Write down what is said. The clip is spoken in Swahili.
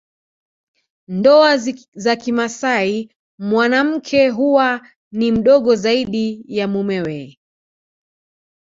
Ndoa za kimasai mwanamke huwa ni mdogo zaidi ya mumewe